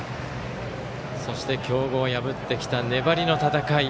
そして、強豪を破ってきた粘りの戦い。